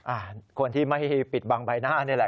คนที่ไม่ปิดบังใบหน้านี่แหละ